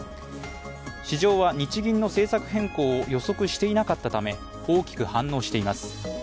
市場は日銀の政策変更を予測していなかったため大きく反応しています。